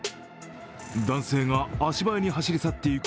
男性が足早に走り去っていく